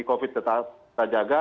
covid tetap kita jaga